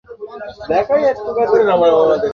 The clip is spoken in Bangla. ঐ কারেন্টকে কোথাও না কোথাও যাওয়া লাগবেই।